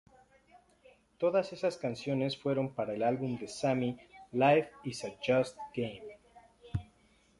Todas esas canciones fueron para el álbum de Sammy "Life Is A Just Game".